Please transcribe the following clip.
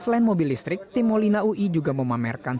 selain mobil listrik tim molina ui juga memamerkan